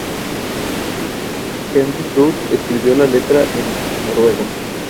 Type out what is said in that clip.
Estos hombres podían esperar recibir un regalo de tierra y uno o más nativos.